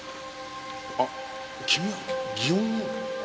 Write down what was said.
あっ君は祇園の。